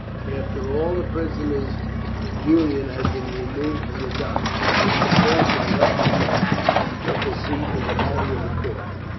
After all the prisoners but Julian had been removed from the dock, Mr. Faulkner left the bench and took his seat in the body of the court.